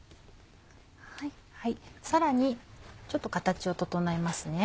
さらにちょっと形を整えます。